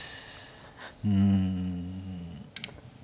うん。